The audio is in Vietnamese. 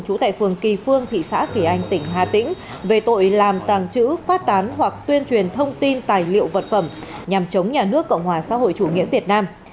chủ tại phường kỳ phương thị xã kỳ anh tỉnh hà tĩnh về tội làm tàng trữ phát tán hoặc tuyên truyền thông tin tài liệu vật phẩm nhằm chống nhà nước cộng hòa xã hội chủ nghĩa việt nam